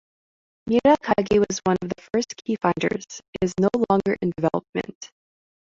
Mirakagi was one of the first key-finders; it is no longer in development.